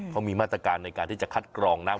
เขามีมาตรการในการที่จะคัดกรองน้ำ